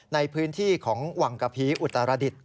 ในพื้นที่ของวังกะพีอุตรดิษฐ